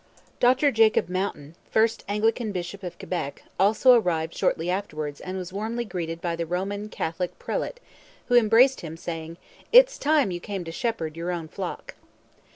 Dr Jacob Mountain, first Anglican bishop of Quebec, also arrived shortly afterwards and was warmly greeted by the Roman Catholic prelate, who embraced him, saying, 'It's time you came to shepherd your own flock.'